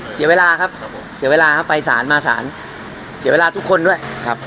เสียเวลาครับไปสารมาสารเสียเวลาทุกคนด้วย